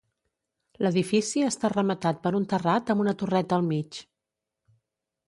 L'edifici està rematat per un terrat amb una torreta al mig.